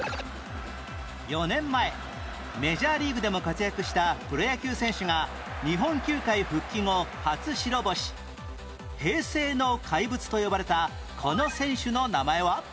４年前メジャーリーグでも活躍したプロ野球選手が平成の怪物と呼ばれたこの選手の名前は？